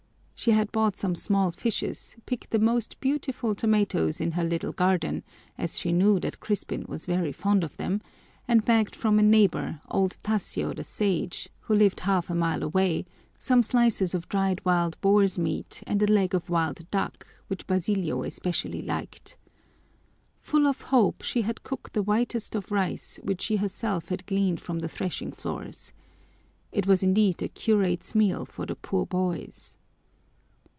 She had bought some small fishes, picked the most beautiful tomatoes in her little garden, as she knew that Crispin was very fond of them, and begged from a neighbor, old Tasio the Sage, who lived half a mile away, some slices of dried wild boar's meat and a leg of wild duck, which Basilio especially liked. Full of hope, she had cooked the whitest of rice, which she herself had gleaned from the threshing floors. It was indeed a curate's meal for the poor boys.